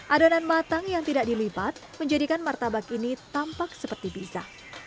adonan matang yang tidak dilipat menjadikan martabak ini tampak seperti bisa